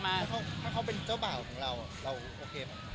ถ้าเขาเป็นเจ้าบ่าวของเราเราโอเคไหม